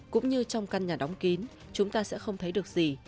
cũng như trong căn nhà đóng kín chúng ta sẽ không thấy được gì